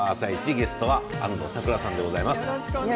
ゲストは安藤サクラさんです。